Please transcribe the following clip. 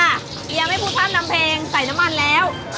ยังไม่พูดพร่ำทำเพลงใส่น้ำมันแล้ว